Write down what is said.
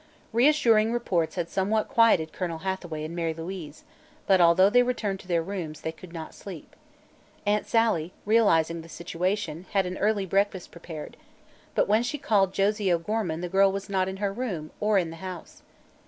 Reassuring reports had somewhat quieted Colonel Hathaway and Mary Louise, but although they returned to their rooms, they could not sleep. Aunt Sally, realizing the situation, had an early breakfast prepared, but when she called Josie O'Gorman the girl was not in her room or in the house.